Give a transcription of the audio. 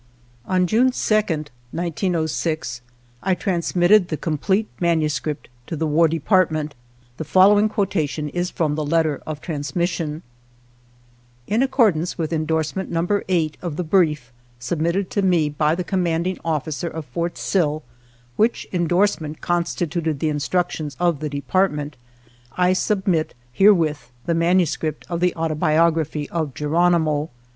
On JTune 2d, 1906, I transmitted the xxiii INTRODUCTORY complete manuscript to the War Depart ment. The following quotation is from the letter of transmission :" In accordance with endorsement number eight of the ' Brief ' submitted to me by the commanding officer of Fort Sill, which endorsement constituted the instructions of the Department, I submit herewith manuscript of the Autobiography of Geronimo.